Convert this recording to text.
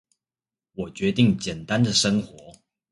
我決定簡單的生活